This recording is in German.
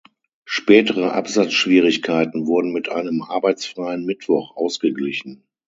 Spätere Absatzschwierigkeiten wurden mit einem arbeitsfreien Mittwoch ausgeglichen.